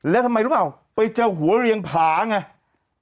แล้วทำไมรู้เปล่าไปเจอหัวเรียงผาไง